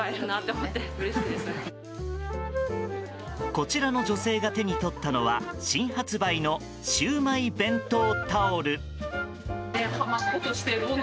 こちらの女性が手に取ったのは新発売のシウマイ弁当タオル。